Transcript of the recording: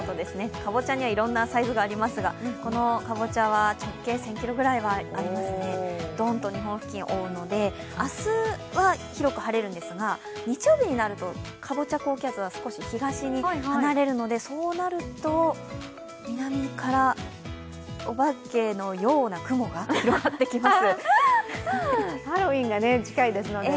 かぼちゃにはいろんなサイズがありますが、このかぼちゃは１０００ｋｍぐらいありますがドンと日本付近を覆うので、明日は広く晴れるんですが、日曜日になると、かぼちゃ高気圧は少し東に離れるのでそうなると南からお化けのような雲が上ってきます。